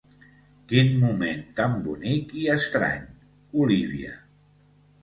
Quin moment tan bonic i estrany, Olívia.